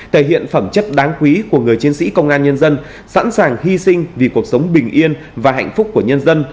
thể hiện phẩm chất đáng quý của người chiến sĩ công an nhân dân sẵn sàng hy sinh vì cuộc sống bình yên và hạnh phúc của nhân dân